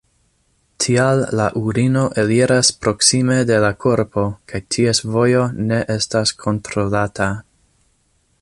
Tial la urino eliras proksime de la korpo kaj ties vojo ne estas kontrolata.